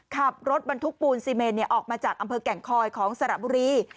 ขับรถบรรทุกปูนซีเมนออกมาจากอำเภอแก่งคอยของสระบุรี